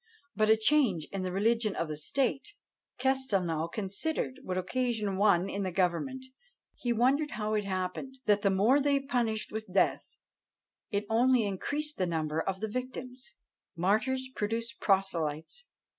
But a change in the religion of the state, Castelnau considered, would occasion one in the government: he wondered how it happened, that the more they punished with death, it only increased the number of the victims: martyrs produced proselytes.